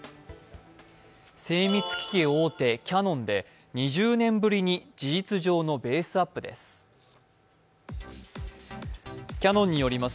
精密機器大手キャノンで２０年ぶりに事実上のベースアップです。